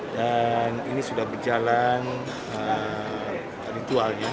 dan ini sudah berjalan ritual